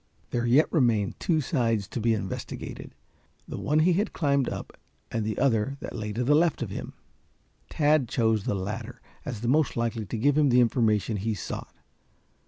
There yet remained two sides to be investigated the one he had climbed up and the other that lay to the left of him. Tad chose the latter as the most likely to give him the information he sought.